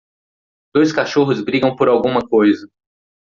Dois cachorros brigam por alguma coisa.